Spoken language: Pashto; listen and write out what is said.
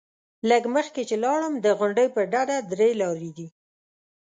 لږ مخکې چې لاړم، د غونډۍ پر ډډه درې لارې دي.